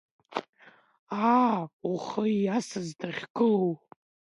Аа, ухы иасыз дахьгылоу.